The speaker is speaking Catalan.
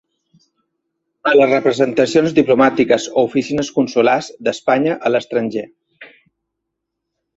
A les representacions diplomàtiques o oficines consulars d'Espanya a l'estranger.